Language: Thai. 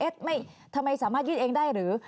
ทำไมสามารถยื่นเองได้หรือ